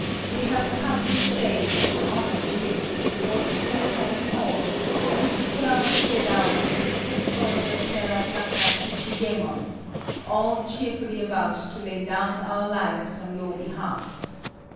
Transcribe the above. We have come this day to do homage here, forty seven men in all, from Oishi Kuranosuké down to the foot soldier, Terasaka Kichiyémon, all cheerfully about to lay down our lives on your behalf.